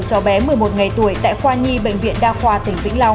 cháu bé một mươi một ngày tuổi tại khoa nhi bệnh viện đa khoa tỉnh vĩnh long